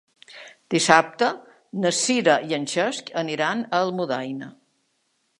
Dissabte na Sira i en Cesc aniran a Almudaina.